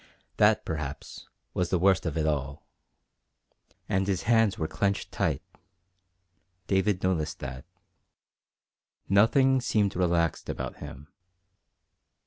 That, perhaps, was the worst of it all. And his hands were clenched tight. David noticed that. Nothing seemed relaxed about him.